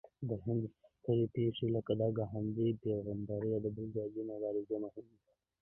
د هند سترې پېښې لکه د ګاندهي پیغمبرۍ او د بلوکادي مبارزې مهمې دي.